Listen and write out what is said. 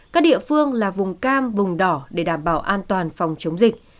các địa phương là vùng cam vùng đỏ để đảm bảo an toàn phòng chống dịch